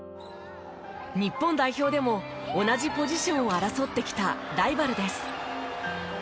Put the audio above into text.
日本代表でも同じポジションを争ってきたライバルです。